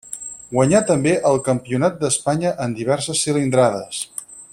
Guanyà també el Campionat d'Espanya en diverses cilindrades.